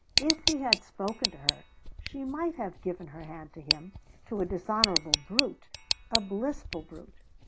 If he had spoken to her, she might have given her hand to him, to a dishonourable brute! A blissful brute.